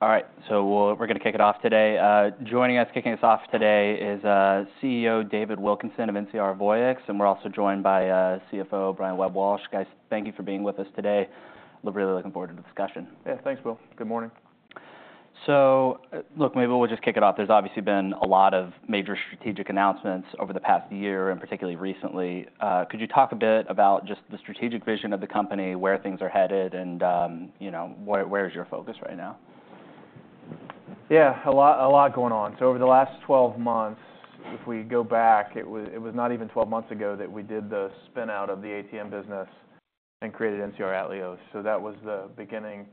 All right, so we're gonna kick it off today. Joining us, kicking us off today is CEO David Wilkinson of NCR Voyix, and we're also joined by CFO Brian Webb-Walsh. Guys, thank you for being with us today. We're really looking forward to the discussion. Yeah, thanks, Will. Good morning. So, look, maybe we'll just kick it off. There's obviously been a lot of major strategic announcements over the past year, and particularly recently. Could you talk a bit about just the strategic vision of the company, where things are headed, and, you know, where is your focus right now? Yeah, a lot, a lot going on. So over the last 12 months, if we go back, it was, it was not even 12 months ago that we did the spin out of the ATM business and created NCR Atleos. So that was the beginning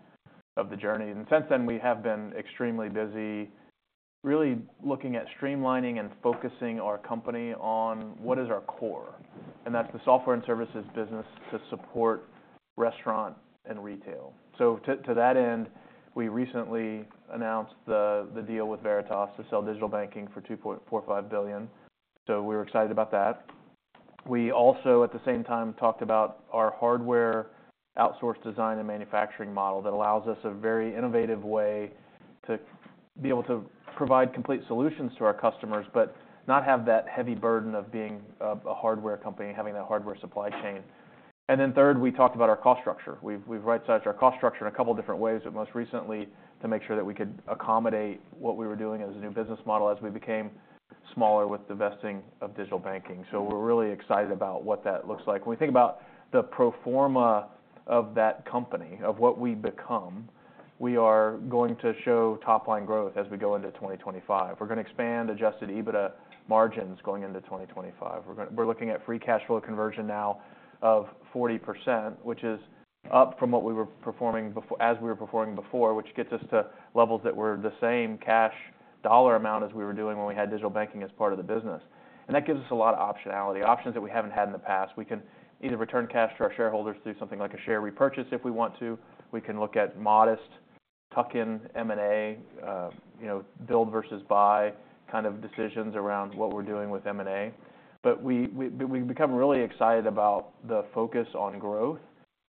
of the journey, and since then, we have been extremely busy, really looking at streamlining and focusing our company on what is our core, and that's the software and services business to support restaurant and retail. So to, to that end, we recently announced the, the deal with Veritas to sell Digital Banking for $2.45 billion. So we're excited about that. We also, at the same time, talked about our hardware outsource design and manufacturing model that allows us a very innovative way to be able to provide complete solutions to our customers, but not have that heavy burden of being, of a hardware company, having that hardware supply chain, and then third, we talked about our cost structure. We've rightsized our cost structure in a couple different ways, but most recently to make sure that we could accommodate what we were doing as a new business model, as we became smaller with divesting of Digital Banking. So we're really excited about what that looks like. When we think about the pro forma of that company, of what we've become, we are going to show top line growth as we go into 2025. We're gonna expand Adjusted EBITDA margins going into 2025. We're gonna look at free cash flow conversion now of 40%, which is up from what we were performing before, which gets us to levels that were the same cash dollar amount as we were doing when we had Digital Banking as part of the business. And that gives us a lot of optionality, options that we haven't had in the past. We can either return cash to our shareholders through something like a share repurchase if we want to. We can look at modest tuck-in M&A, you know, build versus buy, kind of decisions around what we're doing with M&A. But we've become really excited about the focus on growth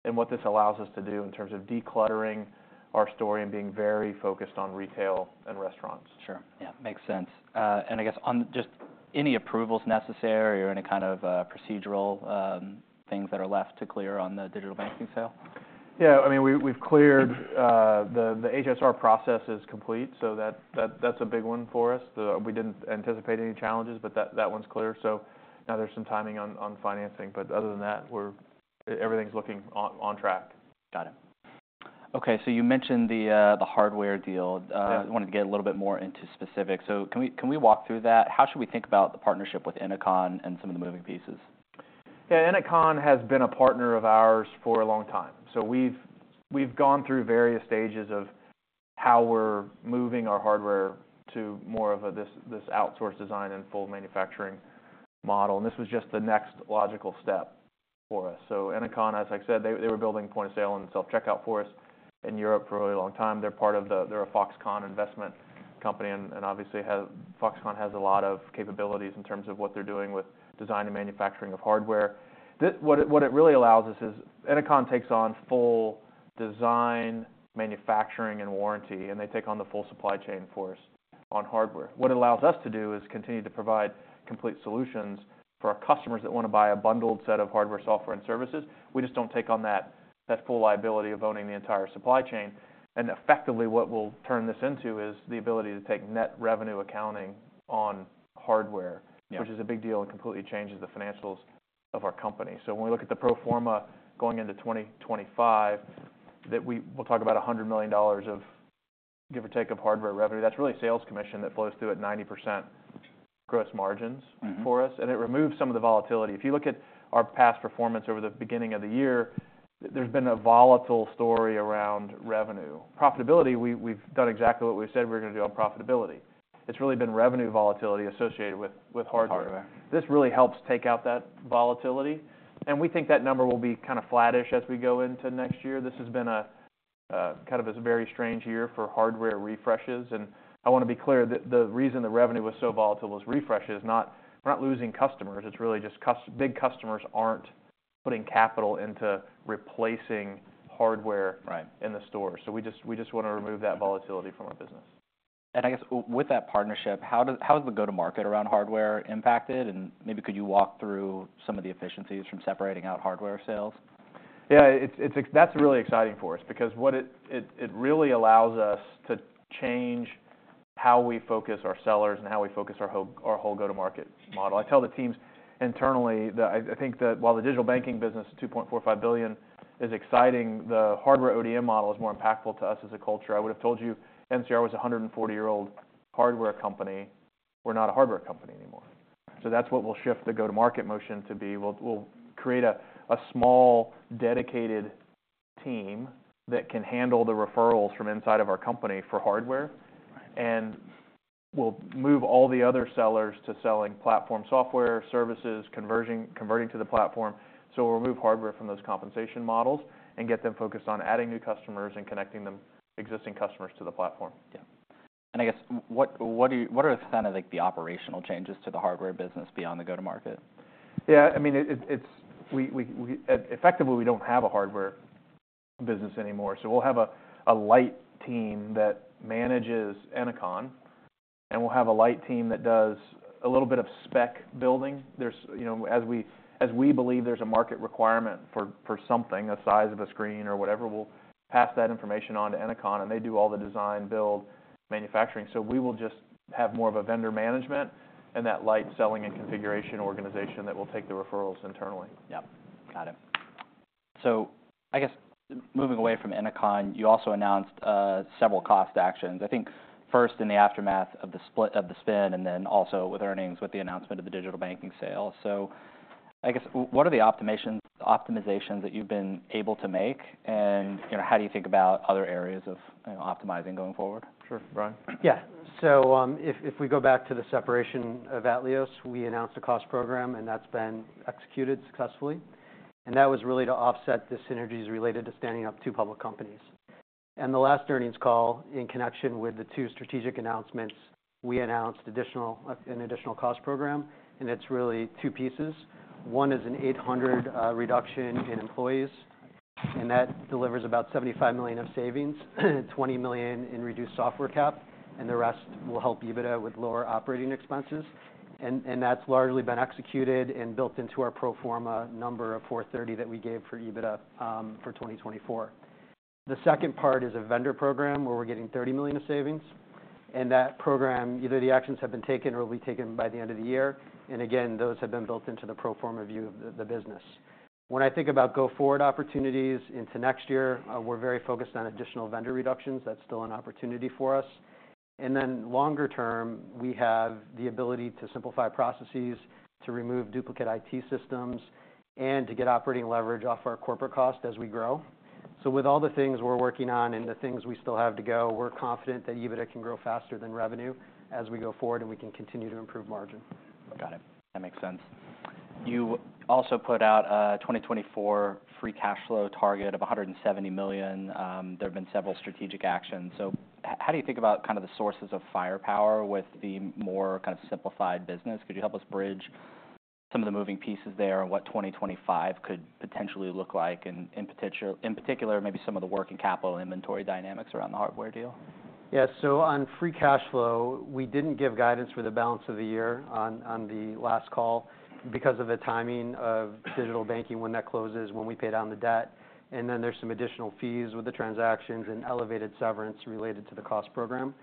and what this allows us to do in terms of decluttering our story and being very focused on retail and restaurants. Sure, yeah, makes sense. And I guess on just any approvals necessary or any kind of procedural things that are left to clear on the Digital Banking sale? Yeah, I mean, we've cleared the HSR process. It's complete, so that's a big one for us. We didn't anticipate any challenges, but that one's clear, so now there's some timing on financing. But other than that, everything's looking on track. Got it. Okay, so you mentioned the hardware deal. Yeah. I wanted to get a little bit more into specifics, so can we, can we walk through that? How should we think about the partnership with Ennoconn and some of the moving pieces? Yeah, Ennoconn has been a partner of ours for a long time, so we've gone through various stages of how we're moving our hardware to more of a this outsourced design and full manufacturing model, and this was just the next logical step for us. So Ennoconn, as I said, they were building point of sale and self-checkout for us in Europe for a really long time. They're part of the... They're a Foxconn investment company, and obviously, Foxconn has a lot of capabilities in terms of what they're doing with design and manufacturing of hardware. What it really allows us is, Ennoconn takes on full design, manufacturing, and warranty, and they take on the full supply chain for us on hardware. What it allows us to do is continue to provide complete solutions for our customers that want to buy a bundled set of hardware, software, and services. We just don't take on that full liability of owning the entire supply chain. And effectively, what we'll turn this into is the ability to take net revenue accounting on hardware- Yeah... which is a big deal, and completely changes the financials of our company. So when we look at the pro forma going into 2025, we'll talk about $100 million of, give or take, of hardware revenue. That's really sales commission that flows through at 90% gross margins- Mm-hmm... for us, and it removes some of the volatility. If you look at our past performance over the beginning of the year, there's been a volatile story around revenue. Profitability, we, we've done exactly what we've said we're gonna do on profitability. It's really been revenue volatility associated with hardware. Hardware. This really helps take out that volatility, and we think that number will be kind of flattish as we go into next year. This has been a kind of a very strange year for hardware refreshes, and I wanna be clear that the reason the revenue was so volatile was refreshes, not. We're not losing customers. It's really just big customers aren't putting capital into replacing hardware- Right... in the store. So we just wanna remove that volatility from our business. And I guess with that partnership, how does, how is the go-to-market around hardware impacted? And maybe could you walk through some of the efficiencies from separating out hardware sales? Yeah, it's. That's really exciting for us because what it really allows us to change how we focus our sellers and how we focus our whole go-to-market model. I tell the teams internally that I think that while the Digital Banking business, $2.45 billion, is exciting, the hardware ODM model is more impactful to us as a culture. I would've told you NCR was a 140-year-old hardware company. We're not a hardware company anymore. So that's what we'll shift the go-to-market motion to be. We'll create a small, dedicated team that can handle the referrals from inside of our company for hardware. Right. We'll move all the other sellers to selling platform software, services, conversion, converting to the platform. We'll remove hardware from those compensation models and get them focused on adding new customers and connecting them, existing customers, to the platform. I guess, what are kind of like the operational changes to the hardware business beyond the go-to-market? Yeah, I mean, it's we effectively don't have a hardware business anymore. So we'll have a light team that manages Ennoconn, and we'll have a light team that does a little bit of spec building. There's, you know, as we believe there's a market requirement for something, a size of a screen or whatever, we'll pass that information on to Ennoconn, and they do all the design, build, manufacturing. So we will just have more of a vendor management and that light selling and configuration organization that will take the referrals internally. Yep, got it. So I guess, moving away from Ennoconn, you also announced several cost actions. I think first in the aftermath of the split of the spin, and then also with earnings, with the announcement of the Digital Banking sale. So I guess, what are the optimizations that you've been able to make, and, you know, how do you think about other areas of, you know, optimizing going forward? Sure. Brian? Yeah. So, if we go back to the separation of Atleos, we announced a cost program, and that's been executed successfully. And that was really to offset the synergies related to standing up two public companies. And the last earnings call, in connection with the two strategic announcements, we announced an additional cost program, and it's really two pieces. One is an 800 reduction in employees, and that delivers about $75 million of savings, $20 million in reduced software CapEx, and the rest will help EBITDA with lower operating expenses. And that's largely been executed and built into our pro forma number of 430 that we gave for EBITDA for 2024. The second part is a vendor program, where we're getting $30 million of savings, and that program, either the actions have been taken or will be taken by the end of the year, and again, those have been built into the pro forma view of the business. When I think about go-forward opportunities into next year, we're very focused on additional vendor reductions. That's still an opportunity for us, and then longer term, we have the ability to simplify processes, to remove duplicate IT systems, and to get operating leverage off our corporate cost as we grow, so with all the things we're working on and the things we still have to go, we're confident that EBITDA can grow faster than revenue as we go forward, and we can continue to improve margin. Got it. That makes sense. You also put out a 2024 free cash flow target of $170 million. There have been several strategic actions. So how do you think about kind of the sources of firepower with the more kind of simplified business? Could you help us bridge some of the moving pieces there, and what 2025 could potentially look like, and in particular, maybe some of the working capital inventory dynamics around the hardware deal? Yeah. So on free cash flow, we didn't give guidance for the balance of the year on the last call because of the timing of Digital Banking, when that closes, when we pay down the debt, and then there's some additional fees with the transactions and elevated severance related to the cost program.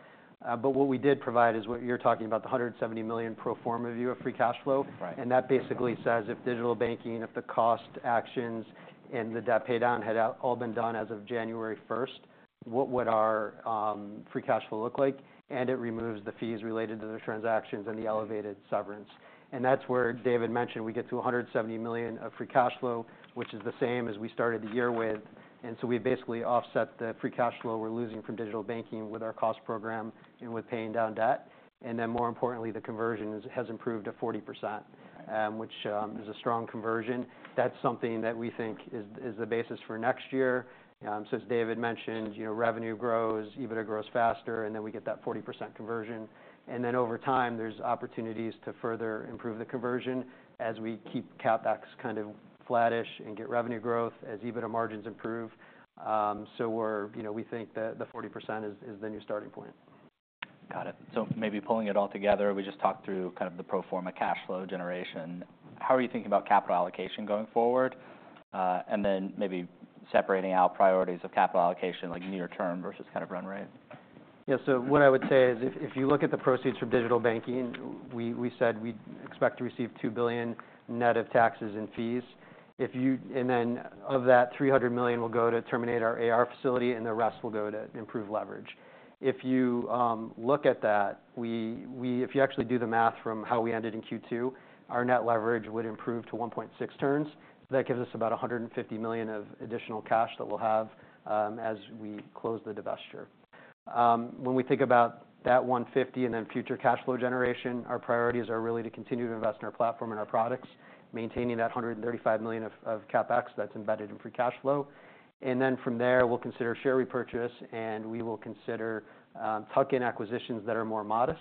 But what we did provide is what you're talking about, the $170 million pro forma view of free cash flow. Right. That basically says, if Digital Banking, if the cost actions and the debt pay down had all been done as of January 1st, what would our free cash flow look like? It removes the fees related to the transactions and the elevated severance. That's where David mentioned we get to $170 million of free cash flow, which is the same as we started the year with. We basically offset the free cash flow we're losing from Digital Banking with our cost program and with paying down debt. Then more importantly, the conversion has improved to 40%, which is a strong conversion. That's something that we think is the basis for next year. As David mentioned, you know, revenue grows, EBITDA grows faster, and then we get that 40% conversion. Then over time, there's opportunities to further improve the conversion as we keep CapEx kind of flattish and get revenue growth as EBITDA margins improve. You know, we think that the 40% is the new starting point. Got it. So maybe pulling it all together, we just talked through kind of the pro forma cash flow generation. How are you thinking about capital allocation going forward, and then maybe separating out priorities of capital allocation, like near term versus kind of run rate. Yeah. So what I would say is, if you look at the proceeds from Digital Banking, we said we expect to receive $2 billion net of taxes and fees, and then of that, $300 million will go to terminate our AR facility, and the rest will go to improve leverage. If you look at that, if you actually do the math from how we ended in Q2, our net leverage would improve to 1.6 turns. That gives us about $150 million of additional cash that we'll have as we close the divestiture. When we think about that $150 million and then future cash flow generation, our priorities are really to continue to invest in our platform and our products, maintaining that $135 million of CapEx that's embedded in free cash flow. And then from there, we'll consider share repurchase, and we will consider tuck-in acquisitions that are more modest.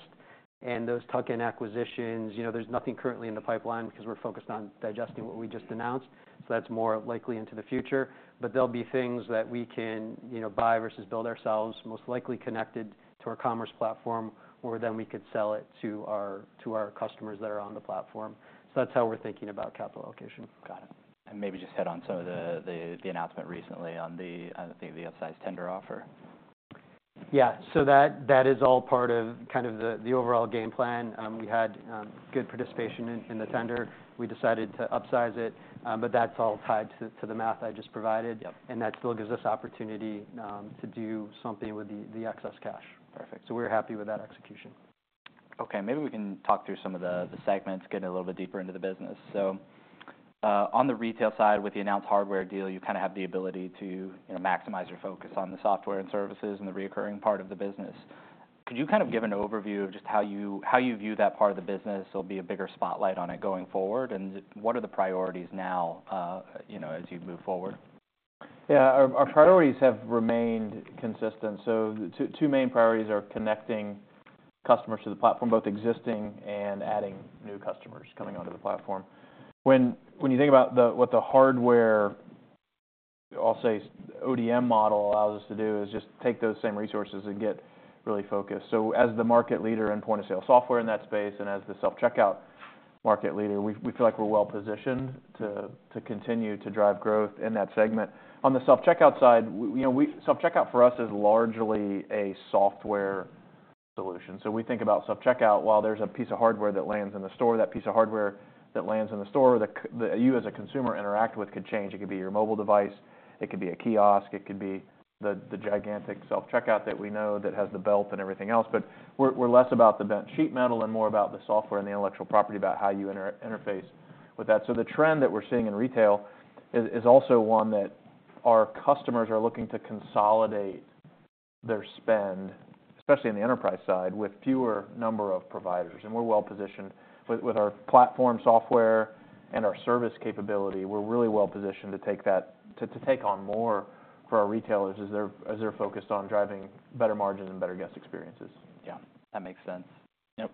And those tuck-in acquisitions, you know, there's nothing currently in the pipeline because we're focused on digesting what we just announced, so that's more likely into the future. But there'll be things that we can, you know, buy versus build ourselves, most likely connected to our commerce platform, where then we could sell it to our, to our customers that are on the platform. So that's how we're thinking about capital allocation. Got it. And maybe just hit on some of the announcement recently on the, I think, the upsized tender offer. Yeah. So that is all part of kind of the overall game plan. We had good participation in the tender. We decided to upsize it, but that's all tied to the math I just provided. Yep. And that still gives us opportunity to do something with the excess cash. Perfect. So we're happy with that execution. Okay, maybe we can talk through some of the segments, getting a little bit deeper into the business. So, on the retail side, with the announced hardware deal, you kind of have the ability to, you know, maximize your focus on the software and services and the recurring part of the business. Could you kind of give an overview of just how you view that part of the business? There'll be a bigger spotlight on it going forward, and what are the priorities now, you know, as you move forward?... Yeah, our priorities have remained consistent. So the two main priorities are connecting customers to the platform, both existing and adding new customers coming onto the platform. When you think about what the hardware, I'll say, ODM model allows us to do, is just take those same resources and get really focused. So as the market leader in point-of-sale software in that space, and as the self-checkout market leader, we feel like we're well positioned to continue to drive growth in that segment. On the self-checkout side, you know, self-checkout for us is largely a software solution. So when we think about self-checkout, while there's a piece of hardware that lands in the store, that you, as a consumer interact with, could change. It could be your mobile device, it could be a kiosk, it could be the gigantic self-checkout that we know that has the belt and everything else, but we're less about the bent sheet metal and more about the software and the intellectual property, about how you interface with that. So the trend that we're seeing in retail is also one that our customers are looking to consolidate their spend, especially on the enterprise side, with fewer number of providers, and we're well positioned with our platform software and our service capability. We're really well positioned to take that to take on more for our retailers as they're focused on driving better margins and better guest experiences. Yeah, that makes sense. Yep.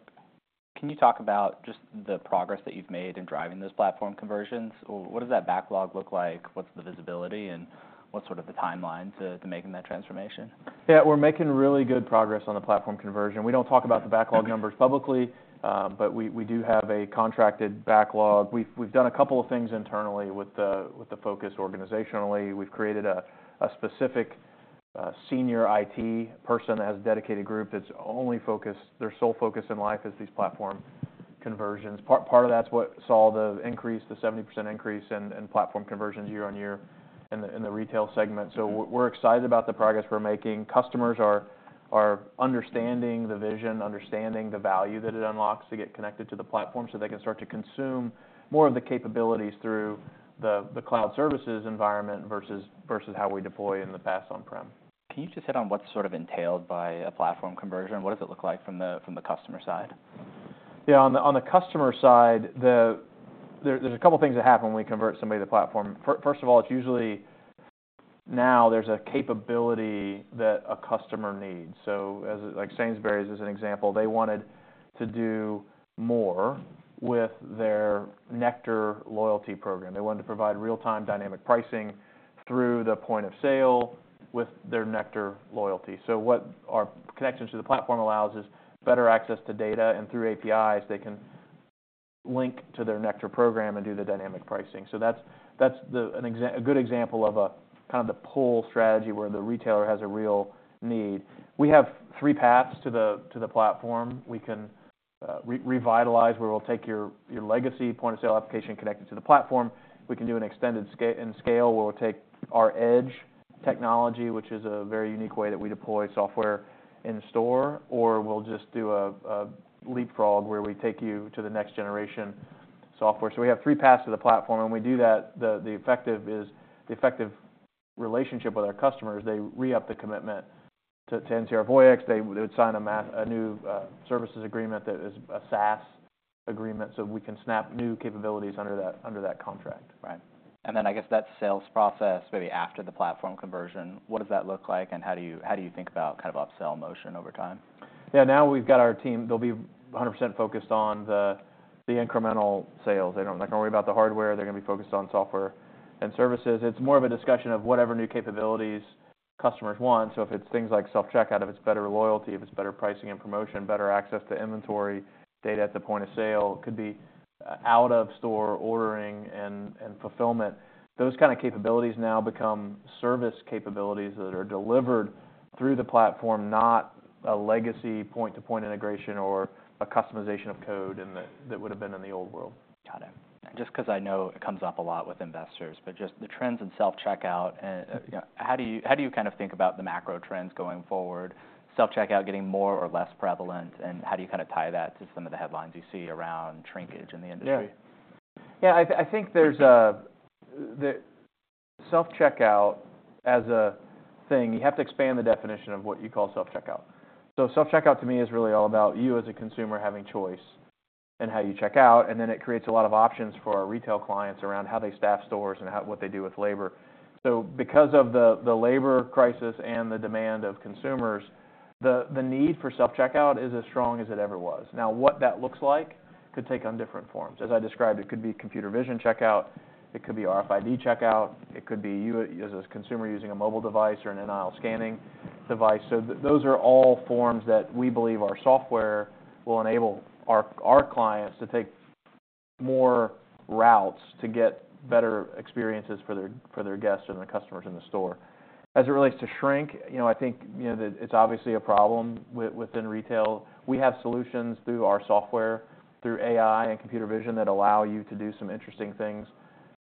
Can you talk about just the progress that you've made in driving those platform conversions? or what does that backlog look like? What's the visibility, and what's sort of the timeline to making that transformation? Yeah, we're making really good progress on the platform conversion. We don't talk about the backlog numbers publicly, but we do have a contracted backlog. We've done a couple of things internally with the focus organizationally. We've created a specific senior IT person that has a dedicated group that's only focused. Their sole focus in life is these platform conversions. Part of that's what saw the increase, the 70% increase in platform conversions year-on-year in the retail segment. Mm-hmm. So we're excited about the progress we're making. Customers are understanding the vision, the value that it unlocks to get connected to the platform, so they can start to consume more of the capabilities through the cloud services environment versus how we deployed in the past on-prem. Can you just hit on what's sort of entailed by a platform conversion, and what does it look like from the customer side? Yeah, on the customer side, the. There, there's a couple things that happen when we convert somebody to the platform. First of all, it's usually, now there's a capability that a customer needs. So, like Sainsbury's, as an example, they wanted to do more with their Nectar loyalty program. They wanted to provide real-time dynamic pricing through the point of sale with their Nectar loyalty. So what our connections to the platform allows is better access to data, and through APIs, they can link to their Nectar program and do the dynamic pricing. So that's a good example of a kind of the pull strategy, where the retailer has a real need. We have three paths to the platform. We can revitalize, where we'll take your legacy point-of-sale application and connect it to the platform. We can do an extended scale, where we'll take our Edge technology, which is a very unique way that we deploy software in store, or we'll just do a leapfrog, where we take you to the next-generation software. So we have three paths to the platform, and when we do that, the effective relationship with our customers, they re-up the commitment to NCR Voyix. They would sign a new services agreement that is a SaaS agreement, so we can snap new capabilities under that contract. Right. And then I guess that sales process, maybe after the platform conversion, what does that look like, and how do you think about kind of up-sell motion over time? Yeah, now we've got our team, they'll be 100% focused on the incremental sales. They're not gonna worry about the hardware, they're gonna be focused on software and services. It's more of a discussion of whatever new capabilities customers want. So if it's things like self-checkout, if it's better loyalty, if it's better pricing and promotion, better access to inventory data at the point of sale, it could be out-of-store ordering and fulfillment. Those kind of capabilities now become service capabilities that are delivered through the platform, not a legacy point-to-point integration or a customization of code, and that would have been in the old world. Got it. Just because I know it comes up a lot with investors, but just the trends in self-checkout, and, you know, how do you, how do you kind of think about the macro trends going forward? Self-checkout getting more or less prevalent, and how do you kind of tie that to some of the headlines you see around shrinkage in the industry? Yeah. Yeah, I think there's a self-checkout as a thing. You have to expand the definition of what you call self-checkout. So self-checkout to me is really all about you, as a consumer, having choice in how you check out, and then it creates a lot of options for our retail clients around how they staff stores and what they do with labor. So because of the labor crisis and the demand of consumers, the need for self-checkout is as strong as it ever was. Now, what that looks like could take on different forms. As I described, it could be computer vision checkout, it could be RFID checkout, it could be you as a consumer using a mobile device or an in-aisle scanning device. So those are all forms that we believe our software will enable our clients to take more routes to get better experiences for their guests and the customers in the store. As it relates to shrink, you know, I think, you know, that it's obviously a problem within retail. We have solutions through our software, through AI and computer vision, that allow you to do some interesting things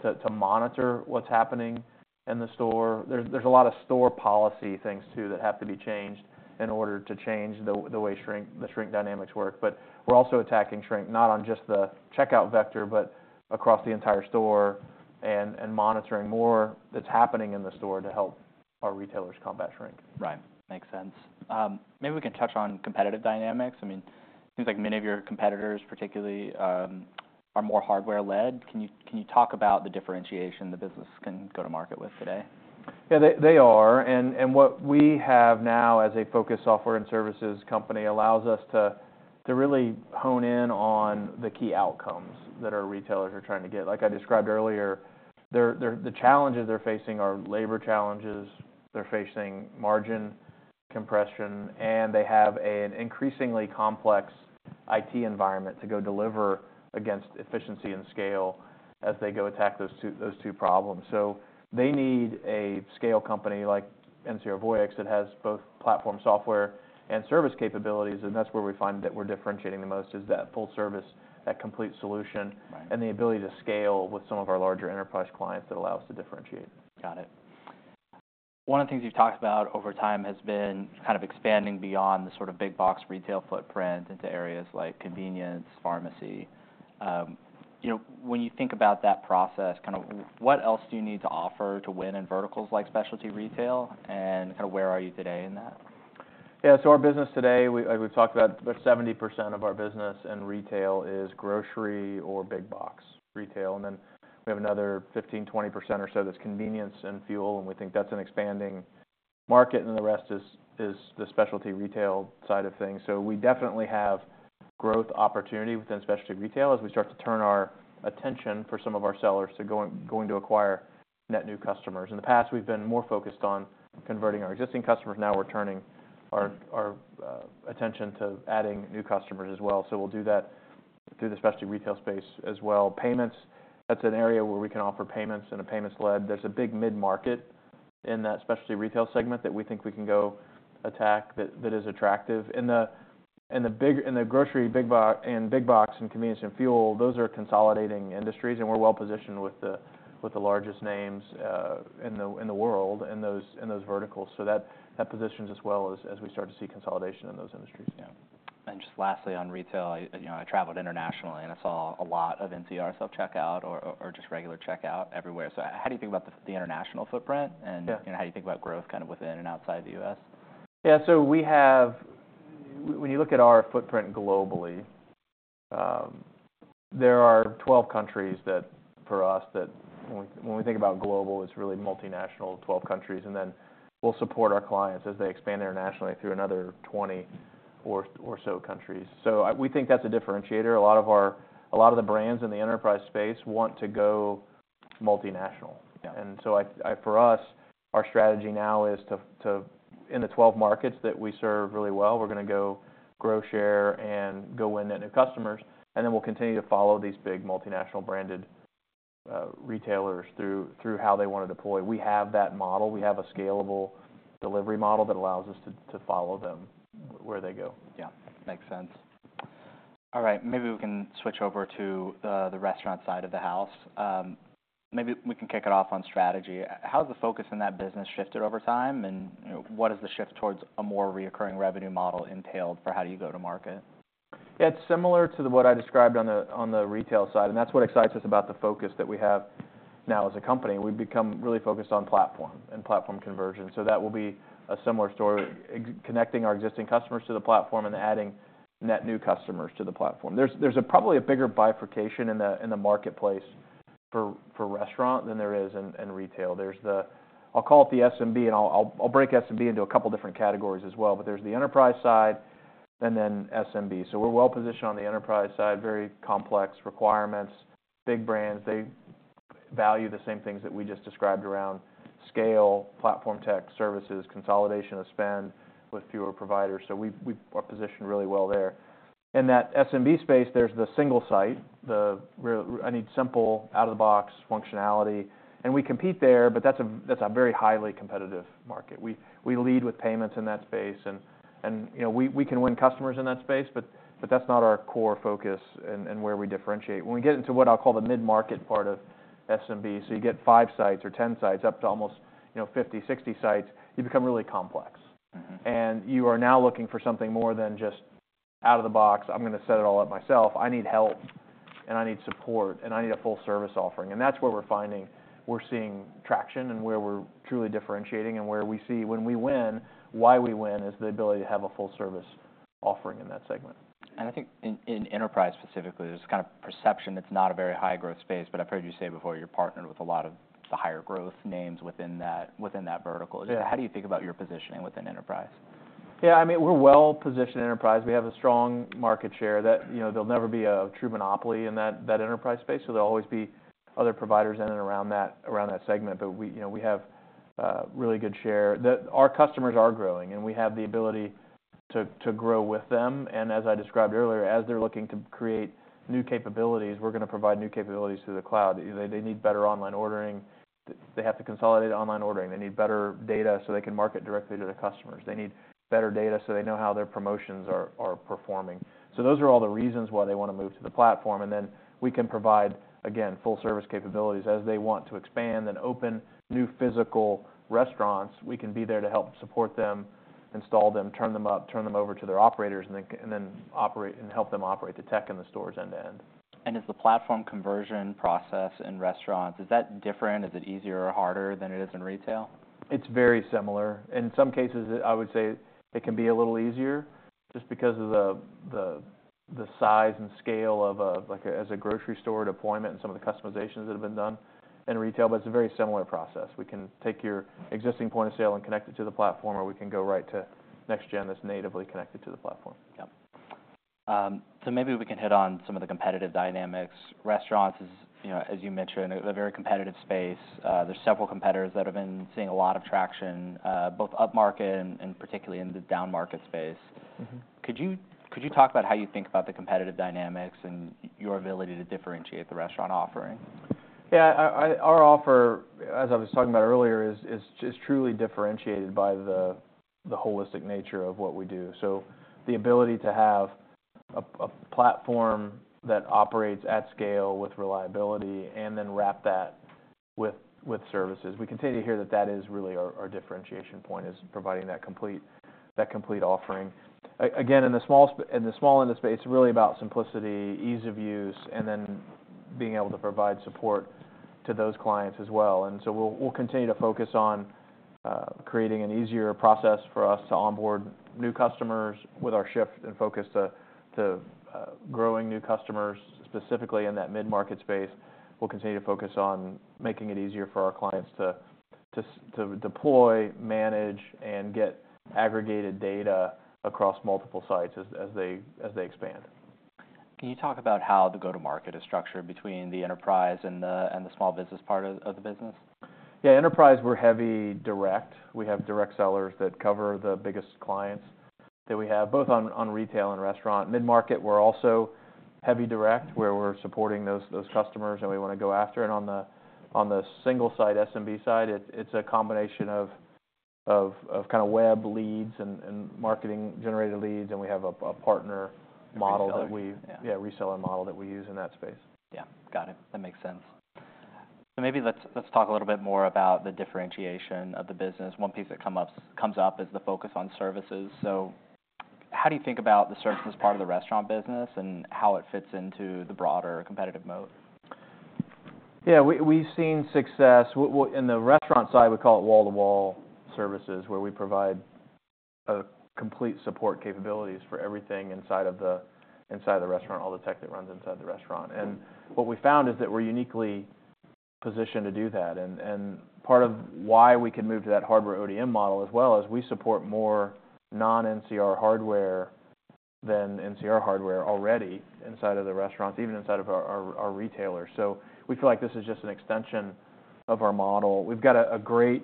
to monitor what's happening in the store. There's a lot of store policy things, too, that have to be changed in order to change the way shrink dynamics work. But we're also attacking shrink, not on just the checkout vector, but across the entire store, and monitoring more that's happening in the store to help our retailers combat shrink. Right. Makes sense. Maybe we can touch on competitive dynamics. I mean, seems like many of your competitors, particularly, are more hardware-led. Can you talk about the differentiation the business can go to market with today? Yeah, they are. And what we have now as a focused software and services company allows us to really hone in on the key outcomes that our retailers are trying to get. Like I described earlier, the challenges they're facing are labor challenges, they're facing margin compression, and they have an increasingly complex IT environment to go deliver against efficiency and scale as they go attack those two problems. So they need a scale company like NCR Voyix that has both platform software and service capabilities, and that's where we find that we're differentiating the most, is that full service, that complete solution- Right... and the ability to scale with some of our larger enterprise clients that allow us to differentiate. Got it. One of the things you've talked about over time has been kind of expanding beyond the sort of big box retail footprint into areas like convenience, pharmacy. You know, when you think about that process, kind of, what else do you need to offer to win in verticals like specialty retail, and kind of where are you today in that? Yeah, so our business today, we've talked about 70% of our business in retail is grocery or big box retail, and then we have another 15-20% or so that's convenience and fuel, and we think that's an expanding market, and the rest is the specialty retail side of things. So we definitely have growth opportunity within specialty retail as we start to turn our attention for some of our sellers to going to acquire net new customers. In the past, we've been more focused on converting our existing customers. Now we're turning our attention to adding new customers as well. So we'll do that through the specialty retail space as well. Payments, that's an area where we can offer payments in a payments led. There's a big mid-market in that specialty retail segment that we think we can go attack, that is attractive. In the grocery, big box, convenience, and fuel, those are consolidating industries, and we're well positioned with the largest names in the world in those verticals. So that positions us well as we start to see consolidation in those industries. Yeah. And just lastly, on retail, you know, I traveled internationally, and I saw a lot of NCR self-checkout or just regular checkout everywhere. So how do you think about the international footprint, and- Yeah... and how do you think about growth kind of within and outside the U.S.? Yeah. So we have, when you look at our footprint globally, there are 12 countries that, for us, when we think about global, it's really multinational, 12 countries, and then we'll support our clients as they expand internationally through another 20 or so countries. So we think that's a differentiator. A lot of the brands in the enterprise space want to go multinational. Yeah. For us, our strategy now is to in the 12 markets that we serve really well, we're gonna go grow share and go win net new customers, and then we'll continue to follow these big multinational branded retailers through how they want to deploy. We have that model. We have a scalable delivery model that allows us to follow them where they go. Yeah, makes sense. All right, maybe we can switch over to the restaurant side of the house. Maybe we can kick it off on strategy. How has the focus in that business shifted over time, and, you know, what is the shift towards a more recurring revenue model entailed for how do you go to market? It's similar to what I described on the retail side, and that's what excites us about the focus that we have now as a company. We've become really focused on platform and platform conversion, so that will be a similar story, connecting our existing customers to the platform and adding net new customers to the platform. There's probably a bigger bifurcation in the marketplace for restaurant than there is in retail. There's the... I'll call it the SMB, and I'll break SMB into a couple different categories as well. But there's the enterprise side and then SMB. So we're well positioned on the enterprise side, very complex requirements. Big brands, they value the same things that we just described around scale, platform tech, services, consolidation of spend with fewer providers, so we are positioned really well there. In that SMB space, there's the single site, I need simple, out-of-the-box functionality, and we compete there, but that's a very highly competitive market. We lead with payments in that space and, you know, we can win customers in that space, but that's not our core focus and where we differentiate. When we get into what I'll call the mid-market part of SMB, so you get five sites or ten sites, up to almost, you know, fifty, sixty sites, you become really complex. Mm-hmm. And you are now looking for something more than just out of the box. I'm gonna set it all up myself. I need help, and I need support, and I need a full service offering. And that's where we're finding we're seeing traction and where we're truly differentiating and where we see when we win, why we win, is the ability to have a full service offering in that segment. I think in enterprise specifically, there's kind of perception that's not a very high growth space, but I've heard you say before, you're partnered with a lot of the higher growth names within that vertical. Yeah. How do you think about your positioning within enterprise? Yeah, I mean, we're well positioned in enterprise. We have a strong market share. That you know, there'll never be a true monopoly in that enterprise space, so there'll always be other providers in and around that segment. But we, you know, we have really good share. Our customers are growing, and we have the ability to grow with them. And as I described earlier, as they're looking to create new capabilities, we're gonna provide new capabilities through the cloud. Either they need better online ordering, they have to consolidate online ordering. They need better data, so they can market directly to their customers. They need better data, so they know how their promotions are performing. So those are all the reasons why they want to move to the platform, and then we can provide, again, full service capabilities. As they want to expand and open new physical restaurants, we can be there to help support them, install them, turn them up, turn them over to their operators, and then operate and help them operate the tech in the stores end to end. Is the platform conversion process in restaurants, is that different? Is it easier or harder than it is in retail? It's very similar. In some cases, I would say it can be a little easier just because of the size and scale of a, like, as a grocery store deployment and some of the customizations that have been done in retail, but it's a very similar process. We can take your existing point of sale and connect it to the platform, or we can go right to next-gen that's natively connected to the platform. Yep. So maybe we can hit on some of the competitive dynamics. Restaurants is, you know, as you mentioned, a very competitive space. There's several competitors that have been seeing a lot of traction, both upmarket and particularly in the downmarket space. Mm-hmm. Could you talk about how you think about the competitive dynamics and your ability to differentiate the restaurant offering? Yeah, I. Our offer, as I was talking about earlier, is truly differentiated by the holistic nature of what we do. So the ability to have a platform that operates at scale with reliability, and then wrap that with services. We continue to hear that that is really our differentiation point, is providing that complete offering. Again, in the small end of space, it's really about simplicity, ease of use, and then being able to provide support to those clients as well. And so we'll continue to focus on creating an easier process for us to onboard new customers with our shift and focus to growing new customers, specifically in that mid-market space. We'll continue to focus on making it easier for our clients to deploy, manage, and get aggregated data across multiple sites as they expand. Can you talk about how the go-to-market is structured between the enterprise and the small business part of the business? Yeah. Enterprise, we're heavy direct. We have direct sellers that cover the biggest clients that we have, both on retail and restaurant. Mid-market, we're also heavy direct, where we're supporting those customers, and we wanna go after it. On the single site, SMB side, it's a combination of kinda web leads and marketing-generated leads, and we have a partner model- Reseller... that we Yeah. Yeah, reseller model that we use in that space. Yeah, got it. That makes sense. So maybe let's talk a little bit more about the differentiation of the business. One piece that comes up is the focus on services. So how do you think about the services part of the restaurant business, and how it fits into the broader competitive mode? Yeah, we've seen success. In the restaurant side, we call it wall-to-wall services, where we provide complete support capabilities for everything inside the restaurant, all the tech that runs inside the restaurant. Mm-hmm. What we found is that we're uniquely positioned to do that, and part of why we can move to that hardware ODM model as well is we support more non-NCR hardware than NCR hardware already inside of the restaurants, even inside of our retailers. We feel like this is just an extension of our model. We've got a great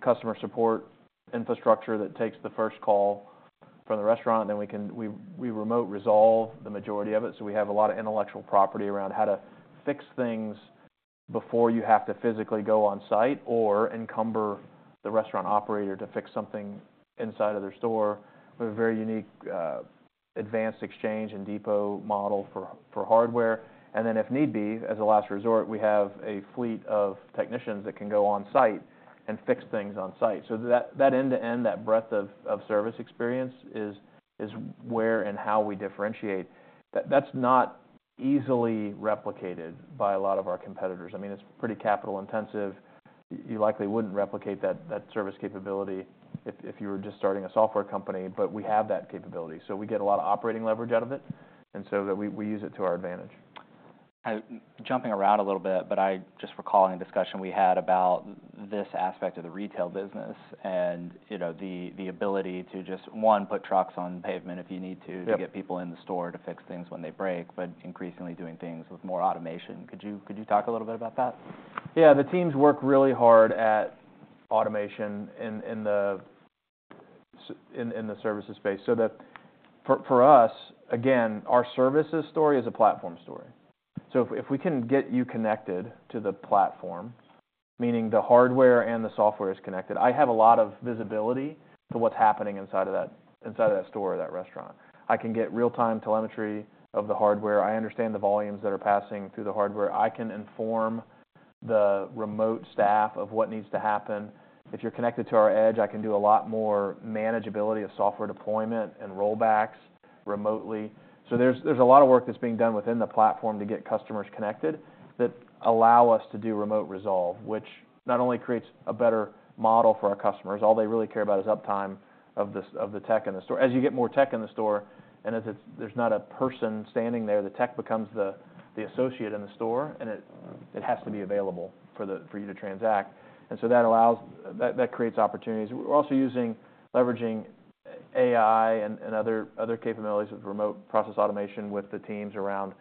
customer support infrastructure that takes the first call from the restaurant, and then we can remotely resolve the majority of it, so we have a lot of intellectual property around how to fix things before you have to physically go on site or encumber the restaurant operator to fix something inside of their store. We have a very unique advanced exchange and depot model for hardware. And then, if need be, as a last resort, we have a fleet of technicians that can go on site and fix things on site. So that end-to-end, that breadth of service experience, is where and how we differentiate. That's not easily replicated by a lot of our competitors. I mean, it's pretty capital intensive. You likely wouldn't replicate that service capability if you were just starting a software company, but we have that capability. So we get a lot of operating leverage out of it, and so that we use it to our advantage. Jumping around a little bit, but I'm just recalling a discussion we had about this aspect of the retail business and, you know, the ability to just, one, put trucks on pavement if you need to. Yep... to get people in the store to fix things when they break, but increasingly doing things with more automation. Could you, could you talk a little bit about that? Yeah. The teams work really hard at automation in the services space. So that for us, again, our services story is a platform story. So if we can get you connected to the platform, meaning the hardware and the software is connected, I have a lot of visibility to what's happening inside of that store or that restaurant. I can get real-time telemetry of the hardware. I understand the volumes that are passing through the hardware. I can inform the remote staff of what needs to happen. If you're connected to our edge, I can do a lot more manageability of software deployment and rollbacks remotely. So there's a lot of work that's being done within the platform to get customers connected that allow us to do remote resolve, which not only creates a better model for our customers. All they really care about is uptime of the tech in the store. As you get more tech in the store, and as there's not a person standing there, the tech becomes the associate in the store, and it has to be available for you to transact, and so that allows. That creates opportunities. We're also leveraging AI and other capabilities with remote process automation with the teams around,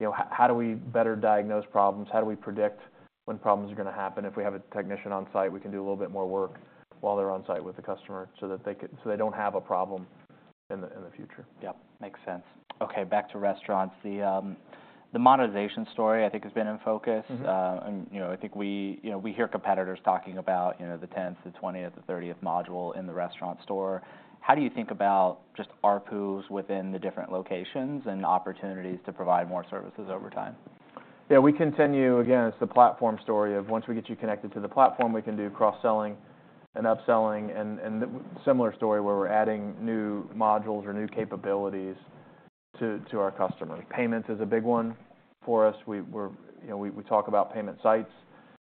you know, how do we better diagnose problems? How do we predict when problems are gonna happen? If we have a technician on site, we can do a little bit more work while they're on site with the customer, so that they don't have a problem in the future. Yep. Makes sense. Okay, back to restaurants. The monetization story, I think, has been in focus. Mm-hmm. You know, I think we... You know, we hear competitors talking about, you know, the tenth, the 20th, the 30th module in the restaurant store. How do you think about just ARPUs within the different locations and opportunities to provide more services over time? Yeah, we continue. Again, it's the platform story of once we get you connected to the platform, we can do cross-selling and upselling, and the similar story, where we're adding new modules or new capabilities to our customers. Payments is a big one for us. We're. You know, we talk about payment sites.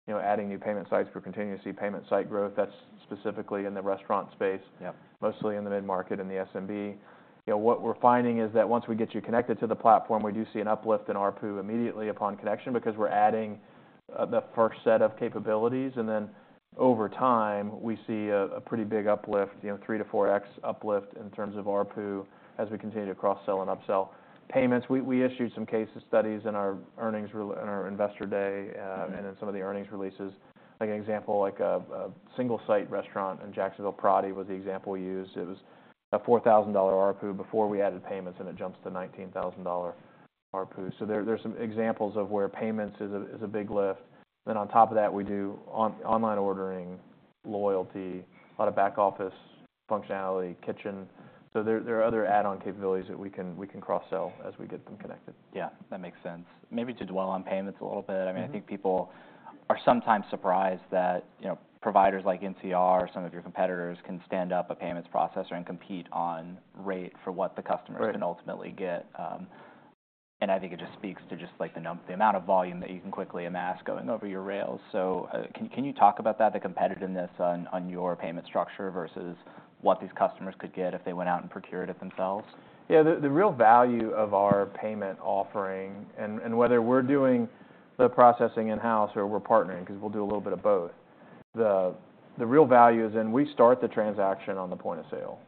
You know, adding new payment sites. We're continuing to see payment site growth. That's specifically in the restaurant space. Yep. Mostly in the mid-market and the SMB. You know, what we're finding is that once we get you connected to the platform, we do see an uplift in ARPU immediately upon connection, because we're adding the first set of capabilities. Then over time, we see a pretty big uplift, you know, three to four X uplift in terms of ARPU, as we continue to cross-sell and upsell. Payments, we issued some case studies in our earnings release in our Investor Day. Mm-hmm... and in some of the earnings releases. Like an example, a single-site restaurant in Jacksonville, Prati, was the example we used. It was a $4,000 ARPU before we added payments, and it jumps to $19,000 ARPU. So there's some examples of where payments is a big lift. Then on top of that, we do online ordering, loyalty, a lot of back-office functionality, kitchen. So there are other add-on capabilities that we can cross-sell as we get them connected. Yeah, that makes sense. Maybe to dwell on payments a little bit- Mm-hmm. I mean, I think people are sometimes surprised that, you know, providers like NCR or some of your competitors can stand up a payments processor and compete on rate for what the customer- Right... can ultimately get. And I think it just speaks to just, like, the amount of volume that you can quickly amass going over your rails. So, can you talk about that, the competitiveness on your payment structure versus what these customers could get if they went out and procured it themselves? Yeah, the real value of our payment offering, and whether we're doing the processing in-house or we're partnering, 'cause we'll do a little bit of both, the real value is in we start the transaction on the point of sale,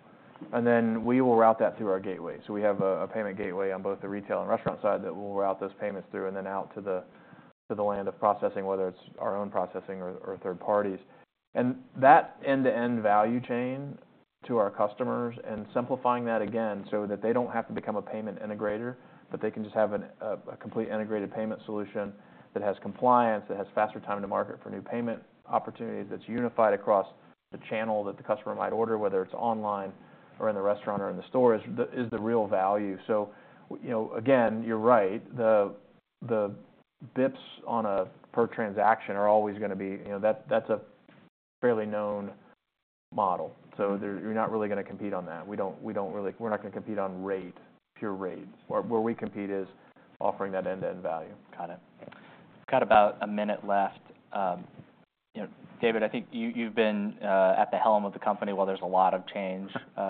and then we will route that through our gateway. So we have a payment gateway on both the retail and restaurant side that we'll route those payments through, and then out to the land of processing, whether it's our own processing or third parties. That end-to-end value chain to our customers, and simplifying that again, so that they don't have to become a payment integrator, but they can just have a complete integrated payment solution that has compliance, that has faster time to market for new payment opportunities, that's unified across the channel that the customer might order, whether it's online or in the restaurant or in the store, is the real value. You know, again, you're right, the bits on a per transaction are always gonna be... You know, that's a fairly known model. Mm-hmm. So you're not really gonna compete on that. We don't really. We're not gonna compete on rate, pure rates. Where we compete is offering that end-to-end value. Got it. Got about a minute left. You know, David, I think you, you've been at the helm of the company while there's a lot of change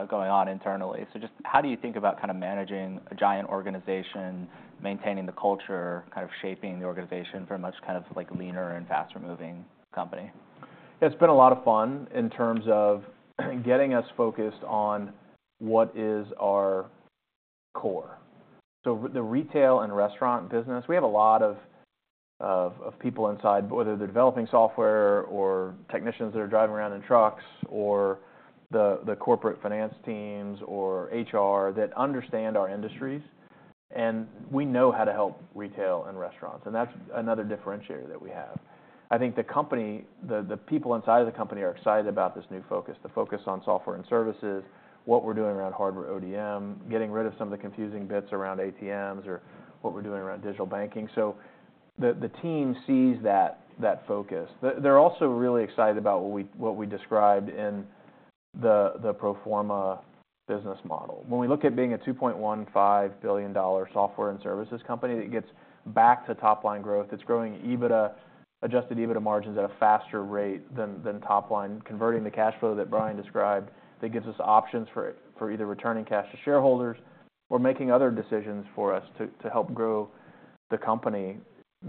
going on internally. So just how do you think about kind of managing a giant organization, maintaining the culture, kind of shaping the organization for a much kind of, like, leaner and faster-moving company? It's been a lot of fun in terms of getting us focused on what is our core. So the retail and restaurant business, we have a lot of people inside, whether they're developing software, or technicians that are driving around in trucks, or the corporate finance teams or HR, that understand our industries, and we know how to help retail and restaurants, and that's another differentiator that we have. I think the company... The people inside of the company are excited about this new focus, the focus on software and services, what we're doing around hardware ODM, getting rid of some of the confusing bits around ATMs or what we're doing around Digital Banking. So the team sees that focus. They're also really excited about what we described in the pro forma business model. When we look at being a $2.15 billion software and services company, that gets back to top-line growth, that's growing EBITDA, Adjusted EBITDA margins at a faster rate than top line, converting the cash flow that Brian described, that gives us options for either returning cash to shareholders or making other decisions for us to help grow the company.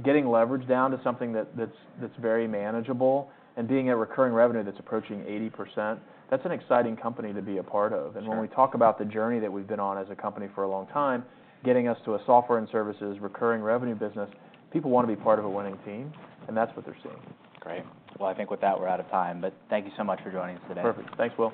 Getting leverage down to something that's very manageable, and being a recurring revenue that's approaching 80%, that's an exciting company to be a part of. Sure. When we talk about the journey that we've been on as a company for a long time, getting us to a software and services recurring revenue business, people wanna be part of a winning team, and that's what they're seeing. Great. Well, I think with that, we're out of time, but thank you so much for joining us today. Perfect. Thanks, Will.